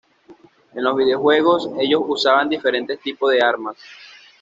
En los videojuegos ellos usaban diferentes tipos de armas.